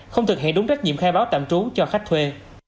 không thực hiện đúng trách nhiệm khai báo tạm trú cho khách thuê